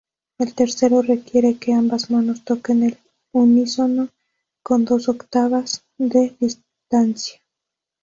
El tercero requiere que ambas manos toquen al unísono con dos octavas de distancia.